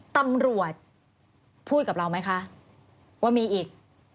ตำรวจพูดกับเราไหมคะว่ามีอีก